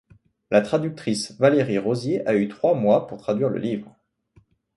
La traductrice Valérie Rosier a eu trois mois pour traduire le livre.